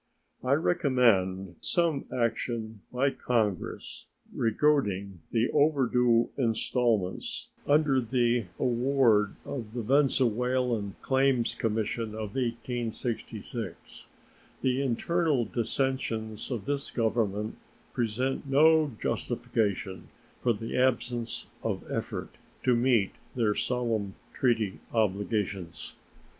I recommend some action by Congress regarding the overdue installments under the award of the Venezuelan Claims Commission of 1866. The internal dissensions of this Government present no justification for the absence of effort to meet their solemn treaty obligations.